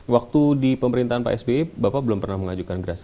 waktu di pemerintahan pak sby bapak belum pernah mengajukan gerasi